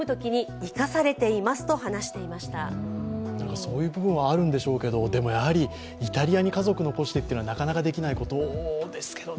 そういう部分はあるんでしょうけれども、でもイタリアに家族残してっていうのはなかなかできないことですけどね。